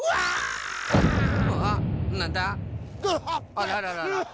あらららら。